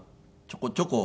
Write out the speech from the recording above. ちょこちょこ。